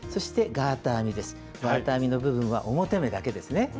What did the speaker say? ガーター編みの部分は表目だけですね。